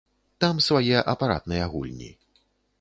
Там свае апаратныя гульні.